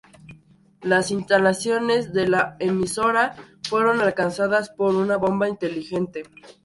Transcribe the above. Las instalaciones de la emisora fueron alcanzadas por una bomba "inteligente".